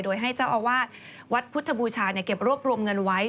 โดยให้เจ้าอาวาสวัดพุทธบูชาเก็บรวบรวมเงินไว้